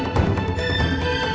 kau bukan kawan